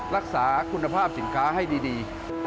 รักษาคุณภาพสินค้าให้ดี